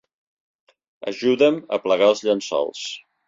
Ajuda'm a plegar els llençols.